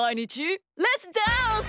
レッツダンス！